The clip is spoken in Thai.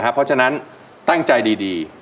เพราะฉะนั้นตั้งใจดี